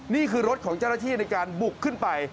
นี่คือรถของเจ้าหน้าที่ในการบุกขึ้นไป